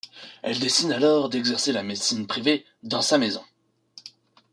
Elle décide alors d'exercer la médecine privée dans sa maison.